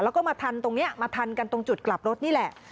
แล้วก็มาทันตรงนี้มาทันกันตรงจุดกลับรถนี่แหละ